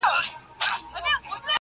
هر گړی ځانته د امن لوری گوري،